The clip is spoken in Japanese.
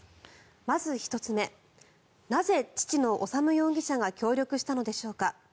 まず１つ目なぜ、父の修容疑者が協力したのでしょうか。